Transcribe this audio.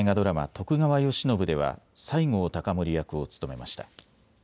徳川慶喜では西郷隆盛役を務めました。